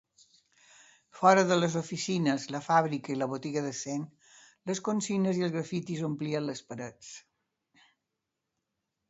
Fora de les oficines, la fàbrica i la botiga de Sen, les consignes i els grafitis omplien les parets.